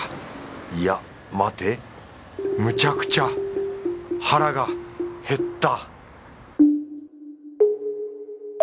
いや待てむちゃくちゃ腹が減った！